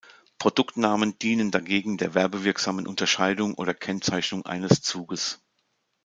Produktnamen dienen dagegen der werbewirksamen Unterscheidung oder Kennzeichnung eines Zuges.